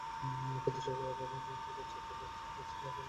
কিন্তু সরকার আমাদের চাপে রাখতে ভারতসহ কয়েকটি দেশকে ছাপার কাজ দিচ্ছে।